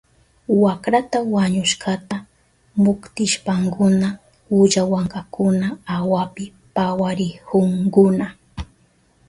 Wakra wañushkata muktishpankuna ullawankakuna awapi pawarihunkuna.